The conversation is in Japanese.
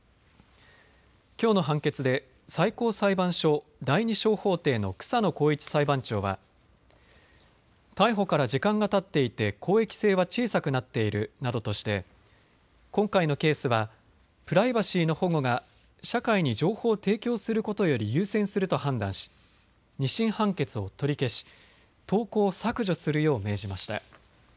きょうの判決で最高裁判所第２小法廷の草野耕一裁判長は逮捕から時間がたっていて公益性は小さくなっているなどとして今回のケースはプライバシーの保護が社会に情報を提供することより優先すると判断し２審判決を取り消し投稿を削除するよう命じました。